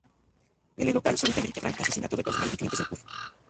En el local súbitamente Frank asesina a todo el personal y clientes del pub.